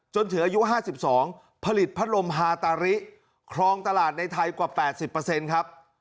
จนถืออายุ๕๒ผลิตพัดลมฮาตาริครองตลาดในไทยกว่า๘๐เปอร์เซ็นต์ครับ